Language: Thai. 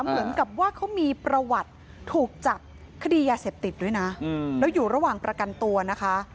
เหมือนกับว่าเขามีประวัติถูกจับคดียาเสพติดด้วยนะแล้วอยู่ระหว่างประกันตัวนะคะ